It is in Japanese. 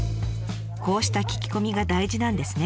こうした聞き込みが大事なんですね。